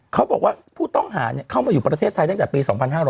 ผู้ต้องหาเข้ามาอยู่ประเทศไทยตั้งแต่ปี๒๕๕๙